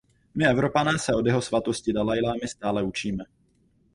My Evropané se od Jeho Svatosti dalajlamy stále učíme.